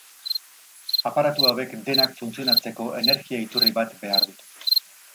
Aparatu hauek denak funtzionatzeko energia iturri bat behar dute.